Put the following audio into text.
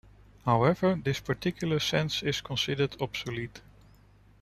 However, this particular sense is considered obsolete.